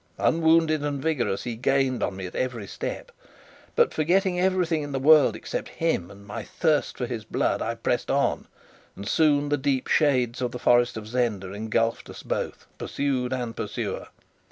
Unwounded and vigorous, he gained on me at every step; but, forgetting everything in the world except him and my thirst for his blood, I pressed on, and soon the deep shades of the forest of Zenda engulfed us both, pursued and pursuer.